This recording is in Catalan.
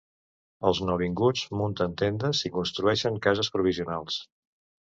Els nouvinguts munten tendes i construeixen cases provisionals.